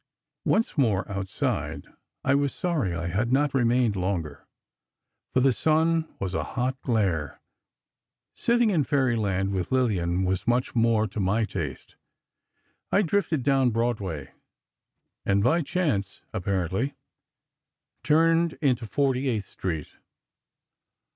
Once more outside, I was sorry I had not remained longer, for the sun was a hot glare. Sitting in Fairyland with Lillian was much more to my taste. I drifted down Broadway, and by chance (apparently), turned into 48th Street.